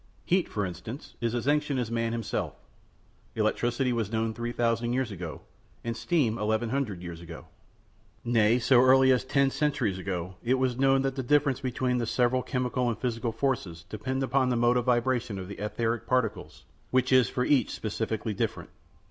Heat, for instance, is as ancient as man himself; electricity was known 3000 years ago, and steam 1100 years ago. Nay, so early as ten centuries ago it was known that the differences between the several chemical and physical forces depend on the mode of vibration of the etheric particles, which is for each specifically different.